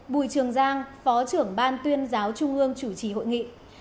bùi trường giang phó trưởng ban tuyên giáo trung ương chủ trì hội nghị